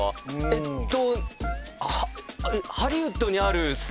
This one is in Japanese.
えっと。